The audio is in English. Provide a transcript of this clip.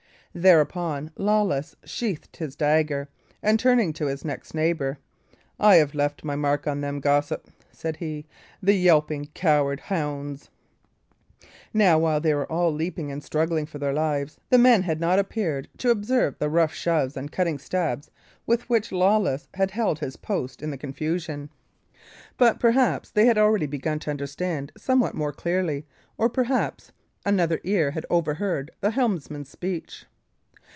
Thereupon, Lawless sheathed his dagger, and turning to his next neighbour, "I have left my mark on them, gossip," said he, "the yelping, coward hounds." Now, while they were all leaping and struggling for their lives, the men had not appeared to observe the rough shoves and cutting stabs with which Lawless had held his post in the confusion. But perhaps they had already begun to understand somewhat more clearly, or perhaps another ear had overheard, the helmsman's speech.